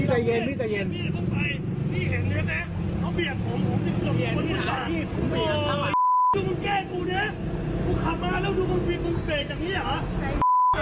รั่วว่าสายมึงพูดมาเลย